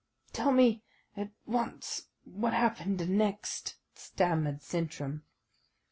"Tell me at once what happened next," stammered Sintram.